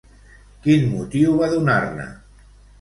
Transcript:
Quin motiu va donar-ne?